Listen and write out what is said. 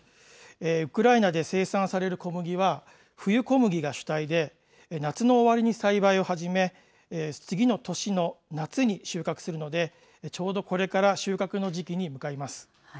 ウクライナで生産される小麦は、冬小麦が主体で、夏の終わりに栽培を始め、次の年の夏に収穫するので、ちょうどこれから収穫の時期に向かいます。